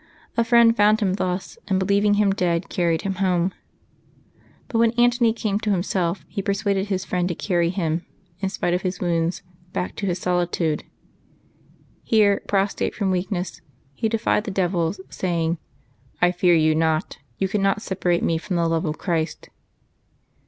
A friend found him thus, and believing him dead carried him home. But when Antony came to him self he persuaded his friend to carry him, in spite of his wounds, back to his solitude. Here, prostrate from weak ness, he defied the devils, saying, "I fear you not; you cannot separate me from the love of Christ."